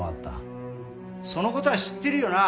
そのことは知ってるよな？